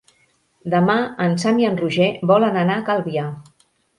Demà en Sam i en Roger volen anar a Calvià.